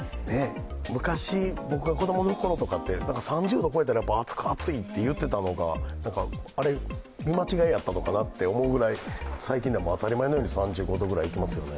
昔、僕が子供のころとかって３０度超えたら暑いって言ってたのがあれ、見間違えだったのかなと思うぐらい、最近でも当たり前ぐらい３５度ぐらいいきますよね。